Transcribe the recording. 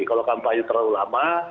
kalau kampanye terlalu lama